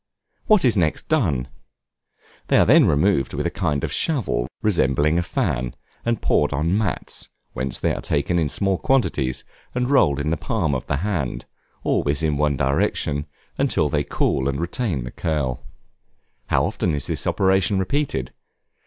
What is next done? They are then removed with a kind of shovel resembling a fan, and poured on mats, whence they are taken in small quantities, and rolled in the palm of the hand always in one direction, until they cool and retain the curl. How often is this operation repeated?